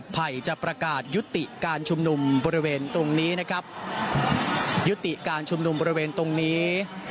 ภัยจะประกาศยุติการชุมนุมบริเวณตรงนี้นะครับยุติการชุมนุมบริเวณตรงนี้